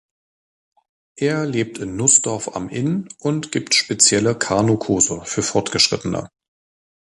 Er lebt in Nußdorf am Inn und gibt spezielle Kanu-Kurse für Fortgeschrittene.